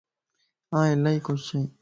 آن الائي خوش ائين